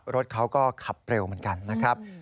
รถเขาก็ขับเร็วเหมือนกันนะครับ